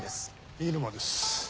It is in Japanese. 飯沼です。